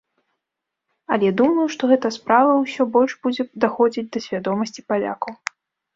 Але думаю, што гэта справа ўсё больш будзе даходзіць да свядомасці палякаў.